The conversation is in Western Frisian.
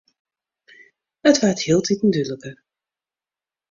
It waard hieltiten dúdliker.